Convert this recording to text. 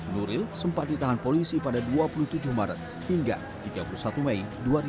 nuril sempat ditahan polisi pada dua puluh tujuh maret hingga tiga puluh satu mei dua ribu dua puluh